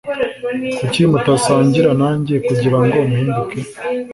Kuki mutasangira nanjye kugirango mpinduke?